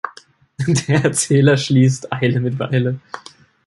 Der Erzähler schließt: "Eile mit Weile.